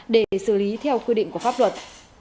để xử lý theo quy định của pháp luật